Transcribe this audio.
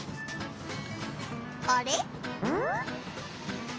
あれ？